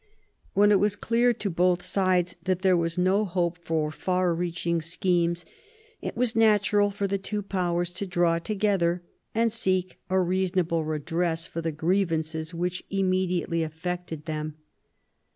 When it was clear to both sides that there was no hope ' Ill THE UNIVERSAL PEACE * 47 for far reaching schemes, it was natural for the two powers to draw together, and seek a reasonable redress for the grievances which immediately affected them.